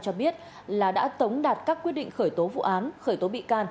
cho biết là đã tống đạt các quyết định khởi tố vụ án khởi tố bị can